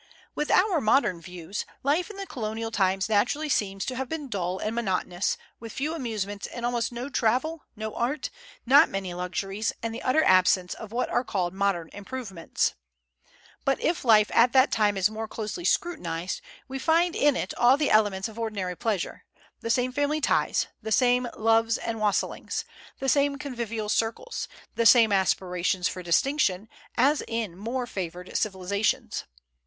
With our modern views, life in Colonial times naturally seems to have been dull and monotonous, with few amusements and almost no travel, no art, not many luxuries, and the utter absence of what are called "modern improvements." But if life at that time is more closely scrutinized we find in it all the elements of ordinary pleasure, the same family ties, the same "loves and wassellings," the same convivial circles, the same aspirations for distinction, as in more favored civilizations.